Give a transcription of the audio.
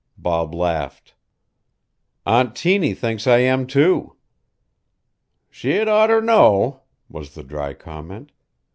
Bob laughed. "Aunt Tiny thinks I am, too." "She'd oughter know," was the dry comment.